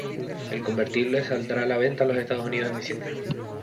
El convertible saldrá a la venta en los Estados unidos en diciembre.